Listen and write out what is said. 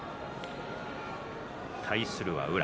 対するは宇良。